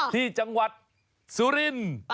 ที่จังหวัดสุรินทร์